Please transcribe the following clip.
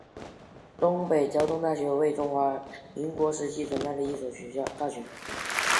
东北交通大学为中华民国时期存在的一所大学。